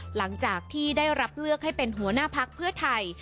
หลังจากที่ได้รับเลือกให้เป็นหัวหน้าพักเพื่อไทย